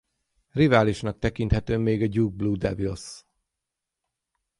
Riválisnak tekinthető még a Duke Blue Devils.